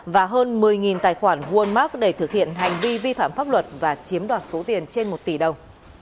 và hơn một mươi tài khoản won mark để thực hiện hành vi vi phạm pháp luật và chiếm đoạt số tiền trên một tỷ đồng